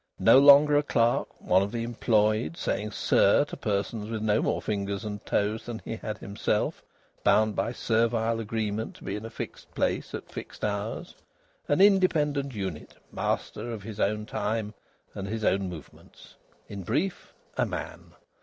No longer a clerk; one of the employed; saying "sir" to persons with no more fingers and toes than he had himself; bound by servile agreement to be in a fixed place at fixed hours! An independent unit, master of his own time and his own movements! In brief, a man!